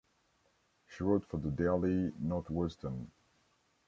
She wrote for the "Daily Northwestern".